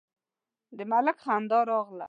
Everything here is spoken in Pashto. د ملک خندا راغله: